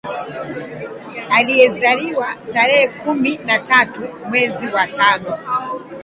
Aliyezaliwa tarehe kumi na tatu mwezi wa tano